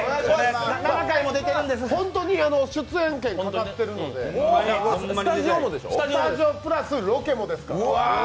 出演権がかかってるので、スタジオプラスロケもですから。